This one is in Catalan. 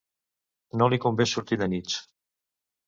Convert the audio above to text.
No li convé sortir de nits.